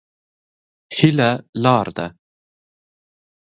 هيله لار ده.